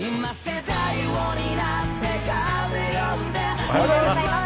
おはようございます。